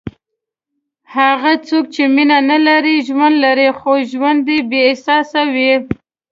هغه څوک چې مینه نه لري، ژوند لري خو ژوند یې بېاحساسه وي.